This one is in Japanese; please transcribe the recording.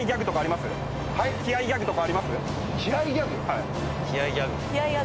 はい？